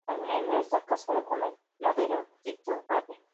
Almendra está casada con el modelo Tito Awe.